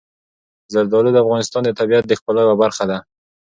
زردالو د افغانستان د طبیعت د ښکلا یوه برخه ده.